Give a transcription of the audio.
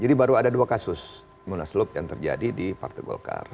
jadi baru ada dua kasus munaslup yang terjadi di partai golkar